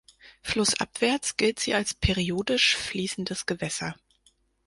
Flussabwärts gilt sie als periodisch fließendes Gewässer.